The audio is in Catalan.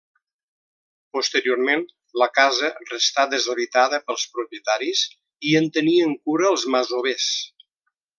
Posteriorment la casa restà deshabitada pels propietaris i en tenien cura els masovers.